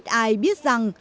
ít ai biết rằng